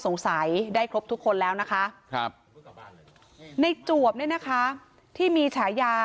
สงสัยได้ครบทุกคนแล้วนะคะครับในจวบเนี่ยนะคะที่มีฉายา